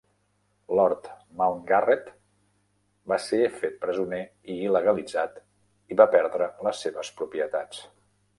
Lord Mountgarret va ser fet presoner i il·legalitzat, i va perdre les seves propietats.